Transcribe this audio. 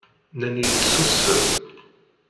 Nnan-iyi-d susem.